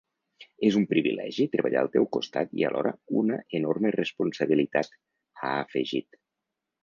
“És un privilegi treballar al teu costat i alhora una enorme responsabilitat”, ha afegit.